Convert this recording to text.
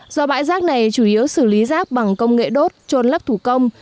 do bãi rác này chủ yếu xử lý rác bằng công nghệ đốt trôn lấp thủ công